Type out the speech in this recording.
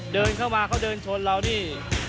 เดินเข้ามาเขาเดินชนเรานี่